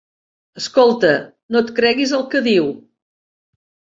Escolta, no et creguis el que diu.